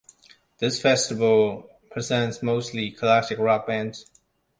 This festival presents mostly classic rock bands.